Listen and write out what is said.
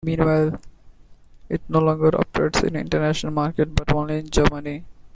Meanwhile it no longer operates in international markets, but only in Germany.